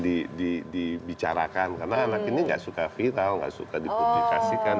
di di di biblical karena laki ini enggak suka vital enggak suka dipublikasikan